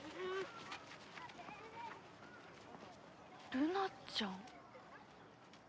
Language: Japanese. ルナちゃん？